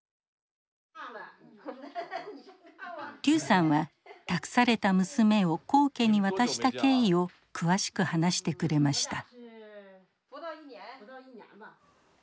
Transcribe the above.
劉さんは託された娘を黄家に渡した経緯を詳しく話してくれました。